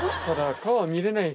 ただ。